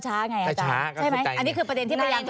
ขอให้แยก